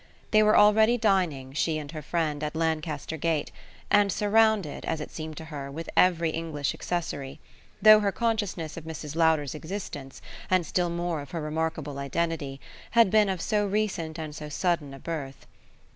They were already dining, she and her friend, at Lancaster Gate, and surrounded, as it seemed to her, with every English accessory; though her consciousness of Mrs. Lowder's existence, and still more of her remarkable identity, had been of so recent and so sudden a birth.